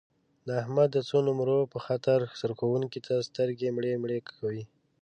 د احمد د څو نمرو په خاطر سرښوونکي ته سترګې مړې مړې کوي.